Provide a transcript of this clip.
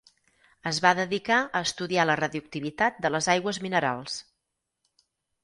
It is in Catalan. Es va dedicar a estudiar la radioactivitat de les aigües minerals.